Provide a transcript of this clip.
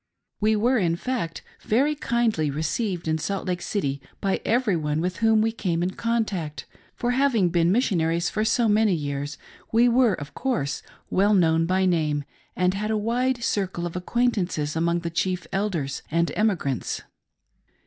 We were, in fact, very kindly received in Salt Lake City by every one with whom we came in contact ; for having been Mis sionaries for so many years, we were, of course, well known by name, and had a wide circle of acquaintances among the chief Elders and emigrants.